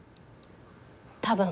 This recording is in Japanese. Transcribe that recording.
多分。